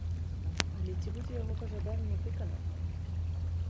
Але ці будзе яго пажаданне выкананае?